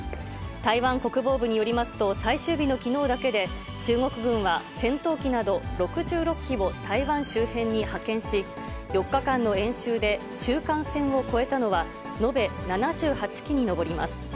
台湾国防部によりますと、最終日のきのうだけで、中国軍は戦闘機など６６機を台湾周辺に派遣し、４日間の演習で中間線を越えたのは、延べ７８機に上ります。